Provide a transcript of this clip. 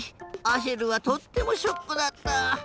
アシェルはとってもショックだった。